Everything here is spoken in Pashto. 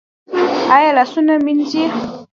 ایا لاسونه مینځي؟